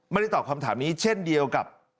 ไม่ได้ตอบคำถามนี้เช่นเดียวกับ